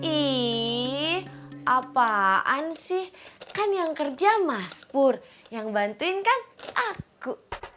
ih apaan sih kan yang kerja mas pur yang bantuin kan aku